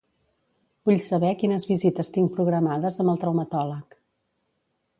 Vull saber quines visites tinc programades amb el traumatòleg.